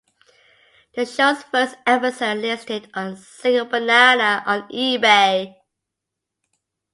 The show's first episode listed a single banana on eBay.